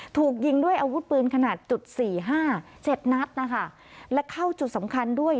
ถูกยิงด้วยอาวุธปืนขนาดจุดสี่ห้าเจ็ดนัดนะคะและเข้าจุดสำคัญด้วย